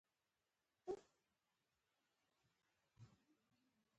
مایکروسکوپ، تلسکوپ او برمه هغه وسایل دي چې یاد شوي دي.